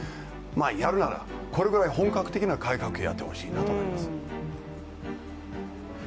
やるならこれぐらい本格的な改革をやってほしいなと思います。